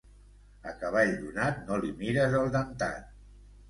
A cavall donat no li mires el dentat.